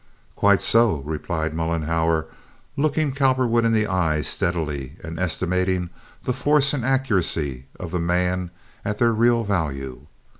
"Quite so," replied Mollenhauer, looking Cowperwood in the eye steadily and estimating the force and accuracy of the man at their real value.